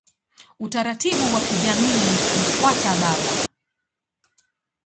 Utaratibu wa kijamii hufuata baba.